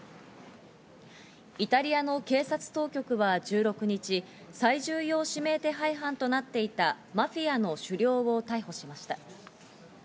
イタリアの警察当局は１６日、最重要指名手配犯となっていたマフィアの首領を逮捕しました。